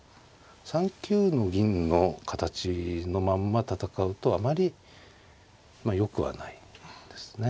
３九の銀の形のまんま戦うとあまりよくはないですね。